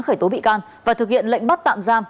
khởi tố bị can và thực hiện lệnh bắt tạm giam